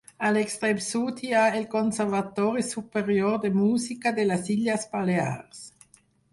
A l'extrem sud hi ha el Conservatori Superior de Música de les Illes Balears.